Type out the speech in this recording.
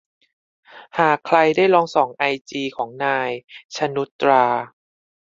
หากใครได้ส่องไอจีของ นาย ชนุชตรา